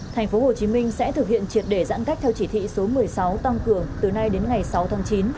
thành phố hồ chí minh sẽ thực hiện triệt để giãn cách theo chỉ thị số một mươi sáu tăng cường từ nay đến ngày sáu tháng chín